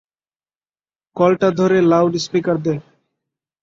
কলটা ধরে loudspeaker দে।